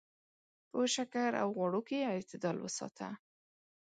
په شکر او غوړو کې اعتدال وساته.